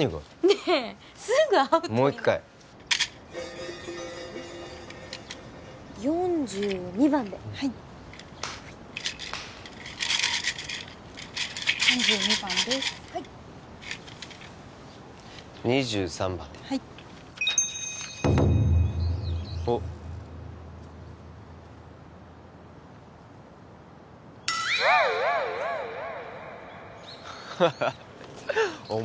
ねえすぐアウトにもう一回おっ４２番ではいはい４２番ですはい２３番ではいおっハハッお前